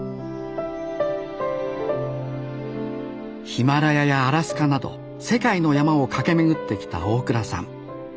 ヒマラヤやアラスカなど世界の山を駆け巡ってきた大蔵さん。